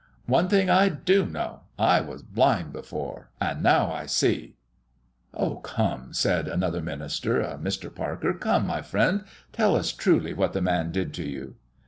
One thing I do know: I was blind before, and now I see." "Come," said another minister a Mr. Parker "come, my friend, tell us truly what the Man did to you."